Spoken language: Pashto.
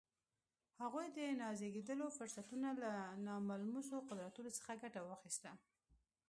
هغوی د نازېږېدلو فرصتونو له ناملموسو قدرتونو څخه ګټه واخیسته